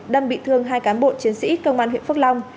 đâm bị thương hai cán bộ chiến sĩ công an huyện phước long